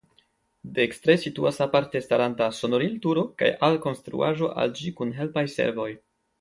Dekstre situas aparte staranta sonorilturo kaj alkonstruaĵo al ĝi kun helpaj servoj.